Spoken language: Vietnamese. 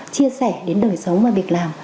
chia sẻ đến đời sống và việc làm